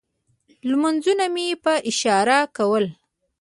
لمونځونه مې په اشارې کول.